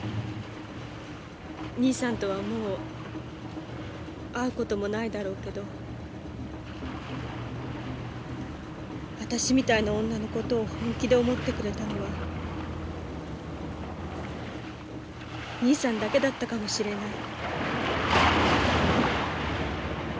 にいさんとはもう会う事もないだろうけど私みたいな女の事を本気で思ってくれたのはにいさんだけだったかもしれない。